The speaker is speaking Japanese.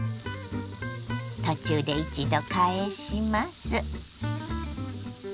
途中で一度返します。